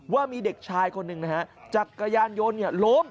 ว่ามีเด็กชายคนหนึ่งจากกระยานโยนล้ม